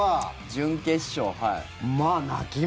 準決勝。